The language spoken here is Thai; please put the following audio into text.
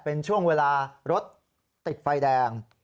เป็นช่วงเวลารถติดไฟแดง